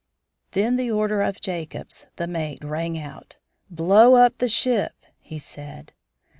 Then the order of Jacobs, the mate, rang out: "Blow up the ship!" he said.